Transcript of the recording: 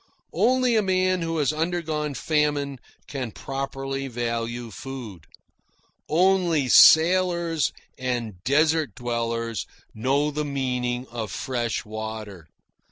Only a man who has undergone famine can properly value food; only sailors and desert dwellers know the meaning of fresh water.